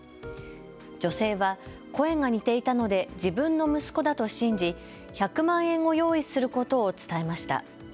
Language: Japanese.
女性は声が似ていたので自分の息子だと信じ１００万円を用意することを伝えました。